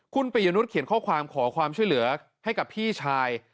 คุณปียนุษยเขียนข้อความขอความช่วยเหลือให้กับพี่ชาย